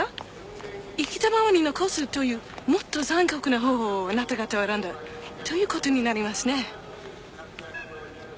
「生きたままに残す」というもっと残酷な方法をあなた方は選んだということになりますね